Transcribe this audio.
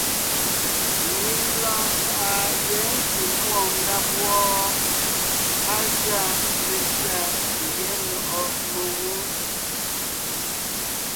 Nyìŋ lɔɔn faʼa yɛ̌ ntí múɔ ngáb wɔ́ɔ, á gʉa metʉ̌a Gyɛ̌ Nɔ̀ʼɔ Megwǒŋ.